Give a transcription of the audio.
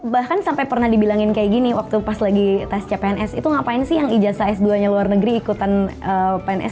bahkan sampai pernah dibilangin kayak gini waktu pas lagi tes cpns itu ngapain sih yang ijazah s dua nya luar negeri ikutan pns